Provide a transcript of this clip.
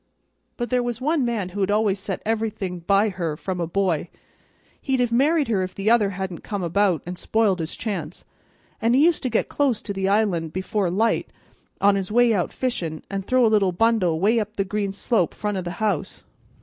But there was one man who had always set everything by her from a boy. He'd have married her if the other hadn't come about an' spoilt his chance, and he used to get close to the island, before light, on his way out fishin', and throw a little bundle way up the green slope front o' the house.